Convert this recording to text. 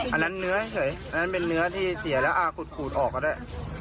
อันนั้นเนื้อเฉยอันนั้นเป็นเนื้อที่เสียแล้วขูดออกมาได้